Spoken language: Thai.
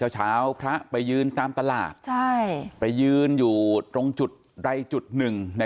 เช้าพระไปยืนตามตลาดไปยืนอยู่ตรงจุดใดจุดหนึ่ง